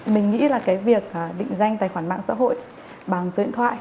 mình nghĩ là cái việc định danh tài khoản mạng xã hội bằng số điện thoại